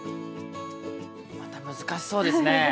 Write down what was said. また難しそうですね。